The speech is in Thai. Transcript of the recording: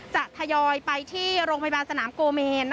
ทยอยไปที่โรงพยาบาลสนามโกเมน